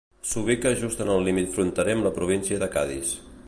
S'ubica just en el límit fronterer amb la província de Cadis.